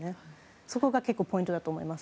そこが結構ポイントだと思います。